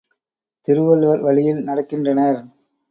திருவள்ளுவர் வழியில் நடக்கின்றனர்.